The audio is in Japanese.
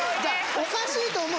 おかしいと思う。